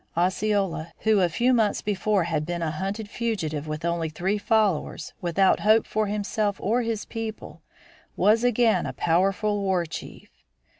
Osceola, who a few months before had been a hunted fugitive with only three followers, without hope for himself or his people, was again a powerful war chief.